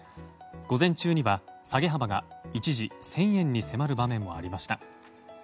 午前中には下げ幅が一時１０００円に迫る場面もありました。